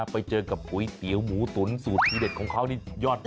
ไปเจอกับก๋วยเตี๋ยวหมูตุ๋นสูตรทีเด็ดของเขานี่ยอด